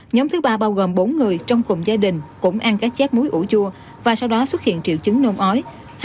nhóm thứ ba bao gồm bốn người trong cùng gia đình cũng ăn các chép muối ủ chua và sau đó xuất hiện triệu chứng nôn ói